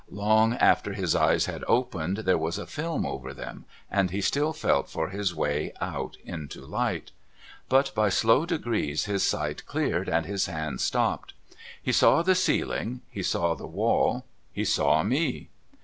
Long after his eyes had opened, there was a film over them and he still felt for his way out into light. But by slow degrees his sight cleared and his hands stopped. He saw the ceiling, he saw the wall, he saw me.